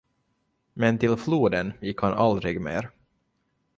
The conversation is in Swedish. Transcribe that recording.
Men till floden gick han aldrig mer.